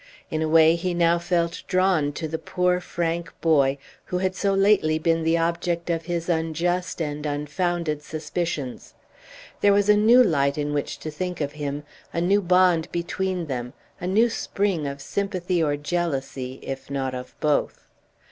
In a way he now felt drawn to the poor, frank boy who had so lately been the object of his unjust and unfounded suspicions. There was a new light in which to think of him, a new bond between them, a new spring of sympathy or jealousy, if not of both.